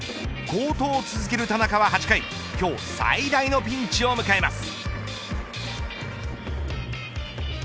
好投を続ける田中は８回今日は最大のピンチを迎えます。